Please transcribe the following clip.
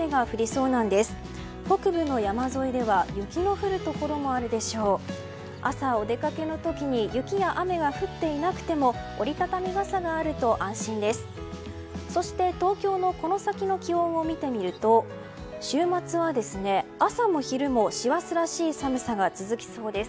そして、東京のこの先の気温を見てみると週末は朝も昼も師走らしい寒さが続きそうです。